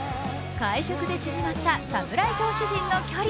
会食で縮まった侍投手陣の距離。